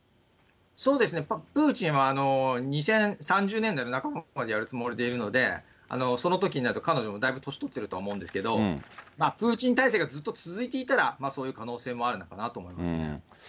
そうですね、プーチンは２０３０年代の半ばまでやるつもりでいるので、そのときになると彼女もだいぶ年取ってると思うんですけれども、プーチン体制がずっと続いていたら、そういう可能性もあるのかなと思いますね。